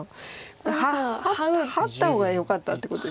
これハッた方がよかったってことですね。